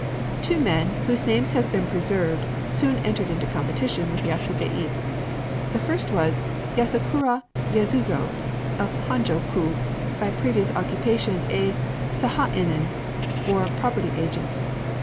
Two men, whose names have been preserved, soon entered into competition with Yasubei. The first was Yasakura Yasuzō, of Honjō ku, by previous occupation a sahainin, or property agent.